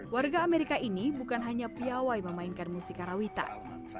warga amerika ini bukan hanya piawai memainkan musik karawitan